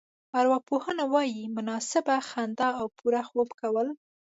ارواپوهنه وايي مناسبه خندا او پوره خوب کول.